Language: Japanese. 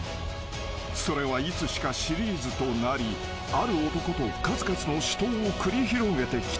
［それはいつしかシリーズとなりある男と数々の死闘を繰り広げてきた］